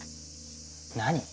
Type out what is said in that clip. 何？